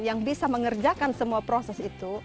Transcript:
yang bisa mengerjakan semua proses itu